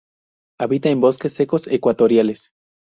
Habita en bosques secos ecuatoriales.